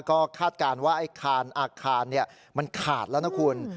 ก็คาดการณ์ว่าอาคารมันขาดแล้วนะครับคุณ